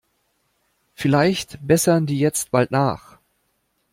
Vielleicht bessern die jetzt bald nach.